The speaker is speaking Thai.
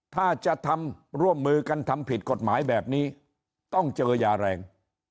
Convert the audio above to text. ถ้าจะทำร่วมมือกันทำผิดกฎหมายแบบนี้ต้องเจอยาแรง